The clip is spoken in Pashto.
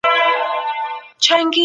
هر پړاو تر مخکني هغه بشپړ دی.